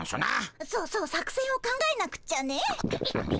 そうそう作戦を考えなくちゃね。